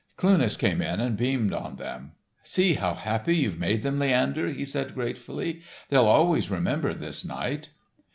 Cluness came in and beamed on them. "See how happy you've made them, Leander," he said gratefully. "They'll always remember this night."